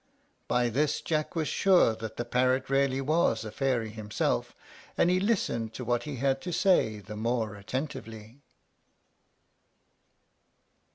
By this Jack was sure that the parrot really was a fairy himself, and he listened to what he had to say the more attentively.